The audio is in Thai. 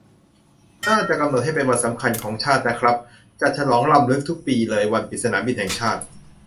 น่าจะกำหนดให้เป็นวันสำคัญของชาตินะครับ จัดฉลองรำลึกทุกปีเลย วันปิดสนามบินแห่งชาติ